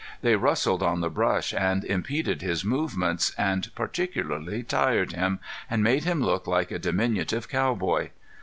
They rustled on the brush and impeded his movements, and particularly tired him, and made him look like a diminutive cowboy.